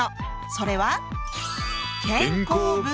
それは。